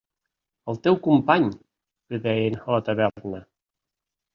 El teu company! –li deien a la taverna.